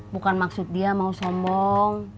bukan maksud dia mau sombong